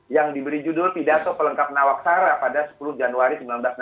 yang diberi judul pidato pelengkap nawaksara pada sepuluh januari seribu sembilan ratus enam puluh